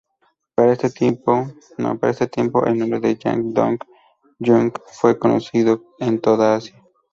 Para este tiempo, el nombre de Jang Dong Gun fue conocido en toda Asia.